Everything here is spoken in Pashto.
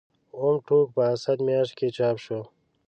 اووم ټوک په اسد میاشت کې چاپ شو.